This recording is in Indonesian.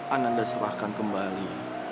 ananda telah menjelaskan kembali